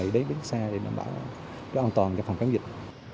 đến đến xe để đảm bảo cho an toàn phòng chống dịch